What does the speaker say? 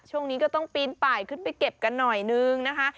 ช่วงนี้ก็ต้องปีนไปเก็บกันหน่อยนึงนะคะ